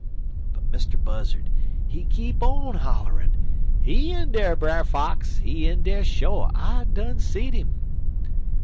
But Mr. Buzzard, he keep on holler'n: "'He in dar, Brer Fox. He in dar, sho. I done seed 'im.'